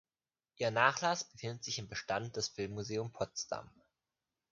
Ihr Nachlass befindet sich im Bestand des Filmmuseums Potsdam.